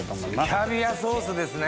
キャビアソースですね！